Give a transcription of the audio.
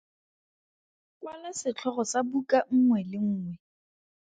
Kwala setlhogo sa buka nngwe le nngwe.